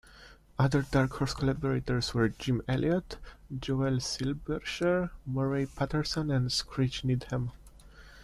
Other Dark Horse collaborators were Jim Elliot, Joel Silbersher, Murray Paterson and Skritch Needham.